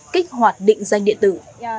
kích hoạt định danh điện tử